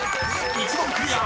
１問クリア！